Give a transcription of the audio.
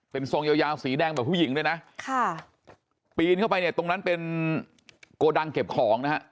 เป็นทรงยาวยาวสีแดงแบบผู้หญิงด้วยนะค่ะปีนเข้าไปเนี่ยตรงนั้นเป็นโกดังเก็บของนะฮะ